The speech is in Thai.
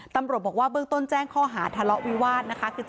ตำรวจบอกว่าเบื้องต้นแจ้งข้อหาทะเลาะวิวาสนะคะ